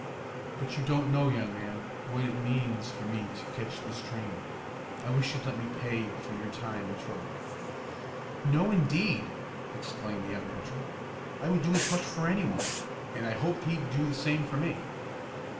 "But you don't know, young man, what it means for me to catch this train. I wish you'd let me pay for your time and trouble " "No, indeed!" exclaimed the young pitcher. "I would do as much for anyone, and I hope he'd do the same for me."